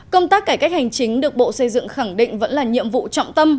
công tác cải cách hành chính được bộ xây dựng khẳng định vẫn là nhiệm vụ trọng tâm